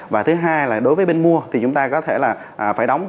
và thứ hai là đối với bên mua thì chúng ta có thể là phải đóng